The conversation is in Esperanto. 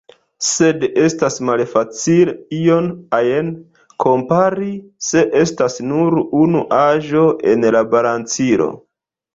Sed estas malfacile ion ajn kompari, se estas nur unu aĵo en la balancilo.